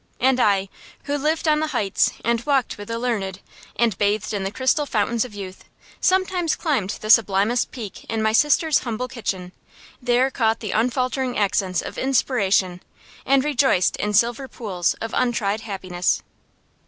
And I, who lived on the heights, and walked with the learned, and bathed in the crystal fountains of youth, sometimes climbed the sublimest peak in my sister's humble kitchen, there caught the unfaltering accents of inspiration, and rejoiced in silver pools of untried happiness.